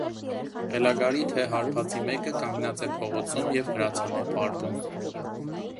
- Խելագարի թե հարբածի մեկը կանգնած է փողոցում և հրացան է պարպում: